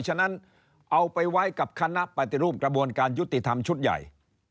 ฉะนั้นเอาไปไว้กับคณะปฏิรูปกระบวนการยุติธรรมชุดใหญ่